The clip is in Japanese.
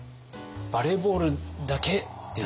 「バレーボールだけ！」っていう。